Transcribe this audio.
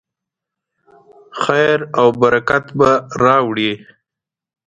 خیر او برکت به راوړي.